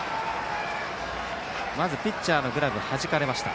まずピッチャーのグラブがはじかれました。